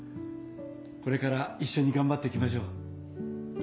これから一緒に頑張っていきましょう。